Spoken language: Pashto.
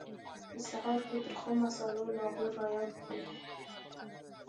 په سهار کې ترخو مسالو لاهور را یاد کړو.